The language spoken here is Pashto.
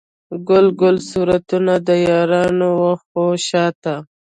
ګل ګل صورتونه، د یارانو و خواو شاته